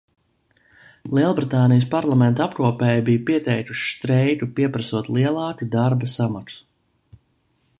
Lielbritānijas parlamenta apkopēji bija pieteikuši streiku, pieprasot lielāku darba samaksu.